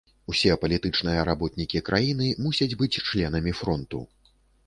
Усе палітычныя работнікі краіны мусяць быць членамі фронту.